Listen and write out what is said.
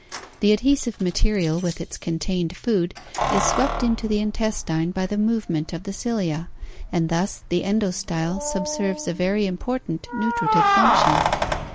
The adhesive material with its contained food is swept into the intestine by the movement of the cilia and thus the endostyle subserves a very important nutritive function.